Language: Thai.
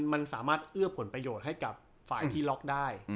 มันสามารถเอื้อผลประโยชน์ให้กับฝ่ายที่ล็อกได้